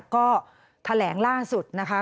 ก็แถลงล่าสุดนะคะ